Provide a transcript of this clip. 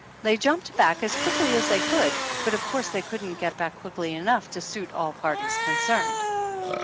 They jumped back as quickly as they could, but of course they couldn't get back quickly enough to suit all parties concerned.